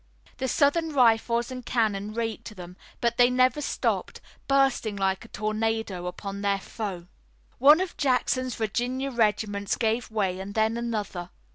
The Southern rifles and cannon raked them, but they never stopped, bursting like a tornado upon their foe. One of Jackson's Virginia regiments gave way and then another.